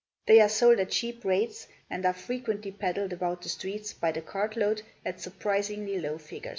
They are sold at cheap rates, and are frequently peddled about the streets by the cartload at surprisingly low figures.